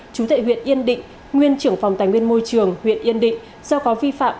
chú tệ huyện yên định nguyên trưởng phòng tài nguyên môi trường huyện yên định do có vi phạm